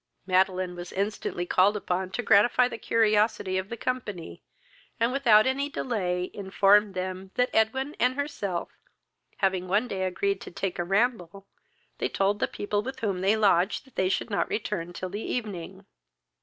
Madeline was instantly called upon to gratify the curiosity of the company, and, without any delay, informed them, that Edwin and herself having one day agreed to take a ramble, they told the people with whom they lodged that they should not return till the evening.